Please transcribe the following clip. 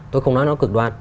tôi không nói nó cực đoan